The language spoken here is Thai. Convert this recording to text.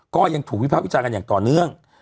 ก็ยังถูกวิภาควิจารณ์กันอย่างต่อเนื่อง